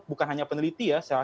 bukan hanya peneliti ya